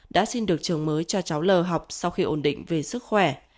đã xin được trường mới cho cháu l học sau khi ổn định về sức khỏe